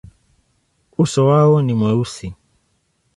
Uso wao ni mweusi.